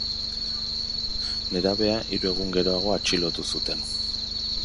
Nerabea hiru egun geroago atxilotu zuten.